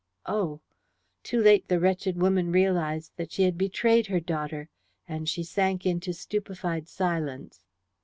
Oh!" Too late the wretched woman realized that she had betrayed her daughter, and she sank into a stupefied silence.